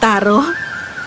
taro mencoba memakan pangsitnya